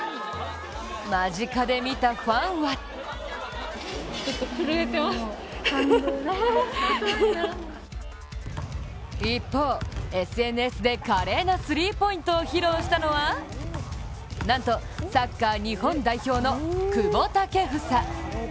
間近で見たファンは一方、ＳＮＳで華麗なスリーポイントを披露したのはなんと、サッカー日本代表の久保建英。